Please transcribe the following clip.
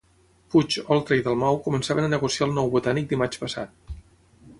Puig, Oltra i Dalmau començaven a negociar el nou Botànic dimarts passat.